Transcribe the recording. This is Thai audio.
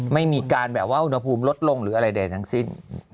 ไม่มีการแบบว่าอุณหภูมิลดลงหรืออะไรใดทั้งสิ้น